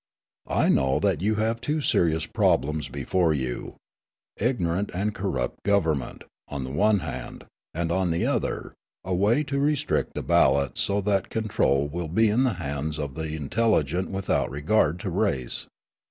I know that you have two serious problems before you; ignorant and corrupt government, on the one hand; and, on the other, a way to restrict the ballot so that control will be in the hands of the intelligent, without regard to race.